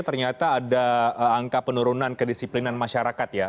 ternyata ada angka penurunan kedisiplinan masyarakat ya